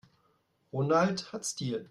Ronald hat Stil.